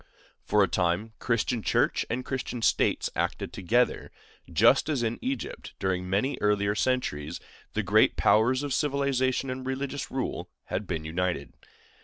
For a time Christian Church and Christian States acted together, just as in Egypt, during many earlier centuries, the great powers of civil and religious rule had been united.